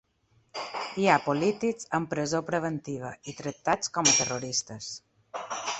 Hi ha polítics en presó preventiva i tractats com a terroristes.